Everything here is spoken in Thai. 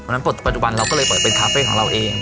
เพราะฉะนั้นปัจจุบันเราก็เลยเปิดเป็นคาเฟ่ของเราเอง